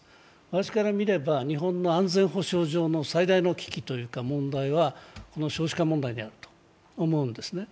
私から見れば日本の安全保障上の最大の危機というか問題は、少子化問題であると思うんですね。